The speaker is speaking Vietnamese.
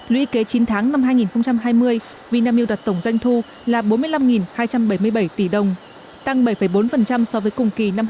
lũy kế chín tháng năm hai nghìn hai mươi vinamil đặt tổng doanh thu là bốn mươi năm hai trăm bảy mươi bảy tỷ đồng tăng bảy bốn so với cùng kỳ năm hai nghìn hai mươi